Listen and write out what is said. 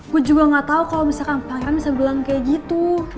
gue juga gak tau kalau misalkan pangeran bisa bilang kayak gitu